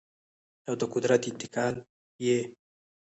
او د قدرت انتقال یې